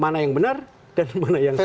mana yang benar dan mana yang salah